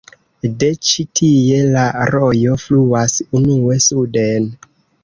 De ĉi-tie la rojo fluas unue suden.